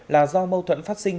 là do mâu thuẫn phát sinh